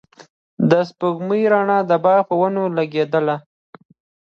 د سپوږمۍ رڼا د باغ په ونو لګېدله.